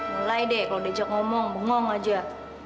mulai deh kalau dejak ngomong bengong aja